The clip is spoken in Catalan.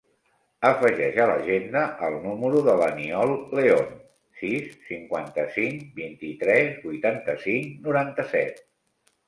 Afegeix a l'agenda el número de l'Aniol Leon: sis, cinquanta-cinc, vint-i-tres, vuitanta-cinc, noranta-set.